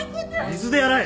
水で洗え！